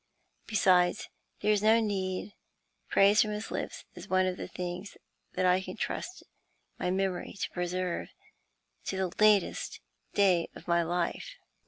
Besides, there is no need; praise from his lips is one of the things that I can trust my memory to preserve to the latest day of my life.